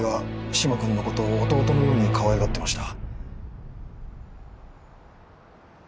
嶋君のこと弟のようにかわいがってました。